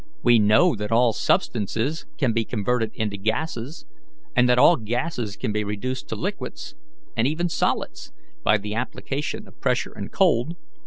We know that all substances can be converted into gases, and that all gases can be reduced to liquids, and even solids, by the application of pressure and cold.